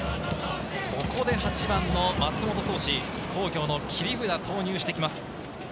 ここで８番の松本壮司、津工業の切り札を投入してきます。